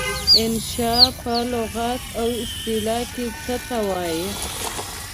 انشأ په لغت او اصطلاح کې څه ته وايي؟